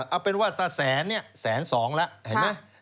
เอาเป็นว่าถ้าแสนแสนสองละเห็นไหม